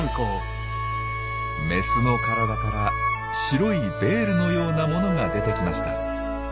メスの体から白いベールのようなものが出てきました。